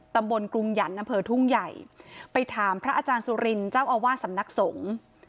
กรุงหยันต์อำเภอทุ่งใหญ่ไปถามพระอาจารย์สุรินทร์เจ้าอาวาสสำนักสงฆ์